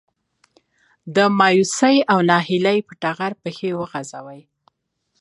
د مايوسي او ناهيلي په ټغر پښې وغځوي.